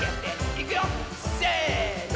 いくよせの！